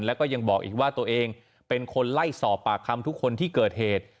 แล้วก็ยังบอกอีกว่าตัวเองเป็นคนไล่สอบปากคำทุกคนที่เกิดเหตุ